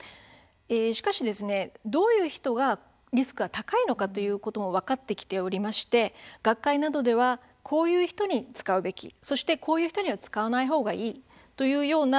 しかし、どういう人がリスクの高いのかということも分かってきておりまして学会などではこういう人に使うべき、そしてこういう人には使わない方がいい